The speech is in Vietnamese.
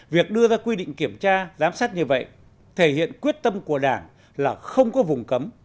việc đưa ra quy định kiểm tra giám sát như vậy thể hiện quyết tâm của đảng là không có vùng cấm